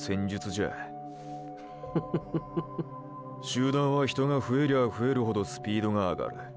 集団は人が増えりゃあ増えるほどスピードが上がる。